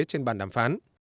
trên bàn đàm phán